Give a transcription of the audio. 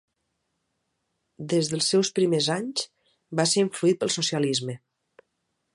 Des dels seus primers anys, va ser influït pel socialisme.